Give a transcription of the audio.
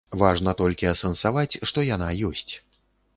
Важна толькі асэнсаваць, што яна ёсць.